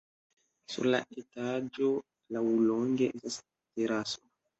Sur la etaĝo laŭlonge estas teraso.